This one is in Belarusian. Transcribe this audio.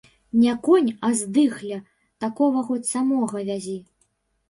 Не конь, а здыхля, такога хоць самога вязі.